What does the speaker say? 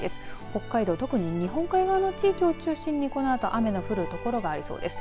北海道、特に日本海側の地域を中心にこのあと雨の降る所がありそうです。